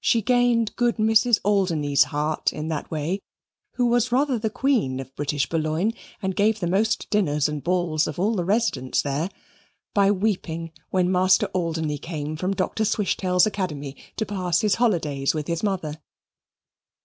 She gained good Mrs. Alderney's heart in that way, who was rather the Queen of British Boulogne and gave the most dinners and balls of all the residents there, by weeping when Master Alderney came from Dr. Swishtail's academy to pass his holidays with his mother.